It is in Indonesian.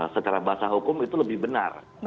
secara bahasa hukum itu lebih benar